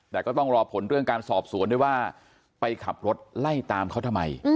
แต่ก็ต้องรอผลเรื่องการสอบสวนด้วยว่าไปขับรถไล่ตามเขาทำไม